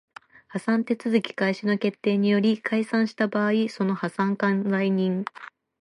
破産手続開始の決定により解散した場合その破産管財人